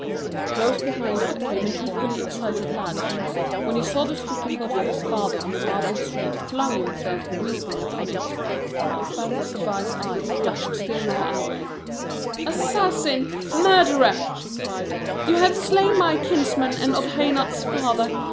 Close behind her came an equally excited lad who, when he saw the stricken body of his father on the marble street, flung himself weeping upon it. But Bath Zabbai's eyes flashed still more angrily: "Assassin, murderer!" she cried; "you have slain my kinsman and Odhainat's father.